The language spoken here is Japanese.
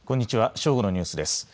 正午のニュースです。